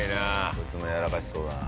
こいつもやらかしそうだな。